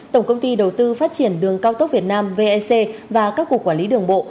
tổng công ty đầu tư phát triển đường cao tốc việt nam vec và các cục quản lý đường bộ